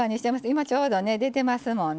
今ちょうどね出てますもんね。